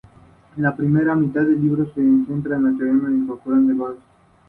La primera mitad del libro se centra en los teoremas de incompletitud de Gödel.